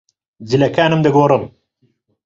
جلەکانم دەگۆڕم.